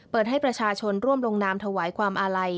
เปิดให้ประชาชนร่วมลงนามถวายความอาลัย